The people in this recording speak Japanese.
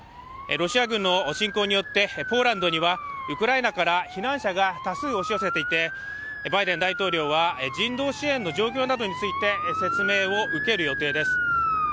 ロシア軍の侵攻によってポーランドにはウクライナから避難者が多数押し寄せていてバイデン大統領は人道支援の状況などについて説明を受ける予定です。